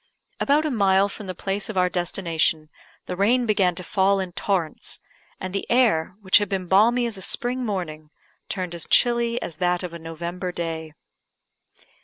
About a mile from the place of our destination the rain began to fall in torrents, and the air, which had been balmy as a spring morning, turned as chilly as that of a November day.